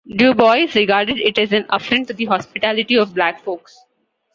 Du Bois, regarded it as an "affront to the hospitality of black folks".